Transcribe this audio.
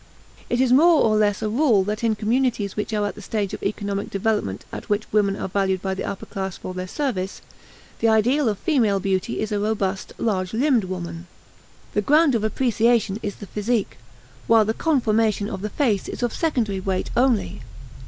It is more or less a rule that in communities which are at the stage of economic development at which women are valued by the upper class for their service, the ideal of female beauty is a robust, large limbed woman. The ground of appreciation is the physique, while the conformation of the face is of secondary weight only.